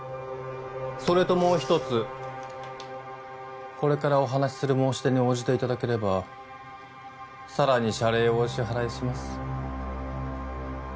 それともう一つこれからお話しする申し出に応じていただければさらに謝礼をお支払いします